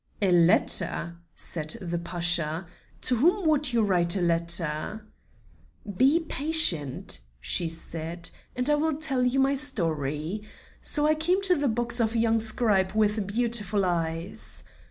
"A letter?" said the Pasha; "to whom would you write a letter?" "Be patient," she said, "and I will tell you my story. So I came to the box of a young scribe with beautiful eyes."